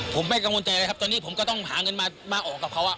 แค่ว่าต้องหาเงินมาต้องเอาออกกับเค้า